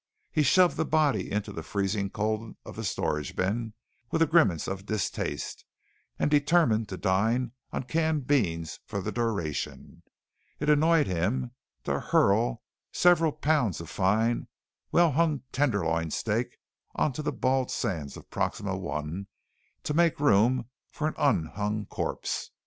He shoved the body into the freezing cold of the storage bin with a grimace of distaste and determined to dine on canned beans for the duration. It annoyed him to hurl several pounds of fine, well hung tenderloin steak onto the bald sands of Proxima I to make room for an un hung corpse.